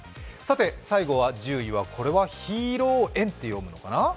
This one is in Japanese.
最後は１０位は、これはヒーロー宴って読むのかな？